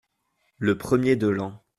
Le premier de l’an.